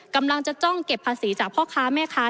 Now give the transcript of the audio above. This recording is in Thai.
กำลังจะจ้องเก็บภาษีจากพ่อค้าแม่ค้า